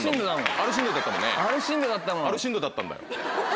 アルシンドだったんだよ。